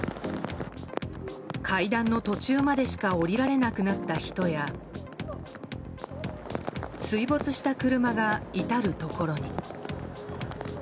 階段の途中までしか下りられなくなった人や水没した車が至るところに。